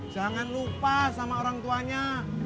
jangan lupa sama orang tuanya